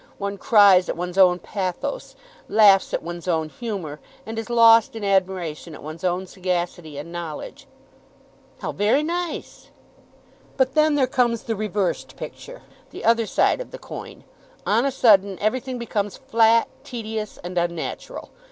One cries at one's own pathos, laughs at one's own humour, and is lost in admiration at one's own sagacity and knowledge." "How very nice!" "But then there comes the reversed picture, the other side of the coin. On a sudden everything becomes flat, tedious, and unnatural.